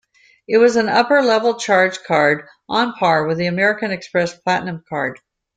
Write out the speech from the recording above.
It was an upper-level charge card on par with the American Express Platinum Card.